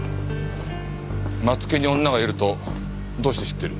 松木に女がいるとどうして知ってる？